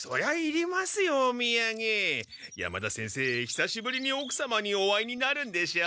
久しぶりにおくさまにお会いになるんでしょ？